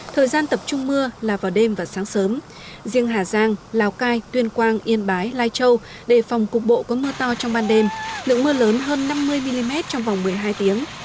thời gian tập trung mưa là vào đêm và sáng sớm riêng hà giang lào cai tuyên quang yên bái lai châu đề phòng cục bộ có mưa to trong ban đêm lượng mưa lớn hơn năm mươi mm trong vòng một mươi hai tiếng